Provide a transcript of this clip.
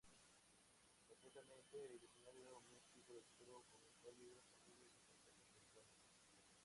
Complementó el escenario místico del título con cálidos sonidos de paisaje electrónicos.